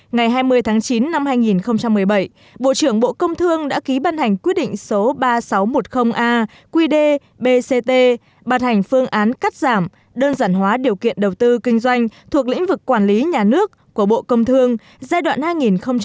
ngày hai mươi tháng chín năm hai nghìn một mươi bảy bộ trưởng bộ công thương đã ký ban hành quyết định số ba nghìn sáu trăm một mươi aqd bct bàn hành phương án cắt giảm đơn giản hóa điều kiện đầu tư kinh doanh thuộc lĩnh vực quản lý nhà nước của bộ công thương giai đoạn hai nghìn một mươi sáu hai nghìn hai mươi